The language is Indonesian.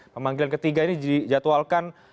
pemanggilan ketiga ini dijadwalkan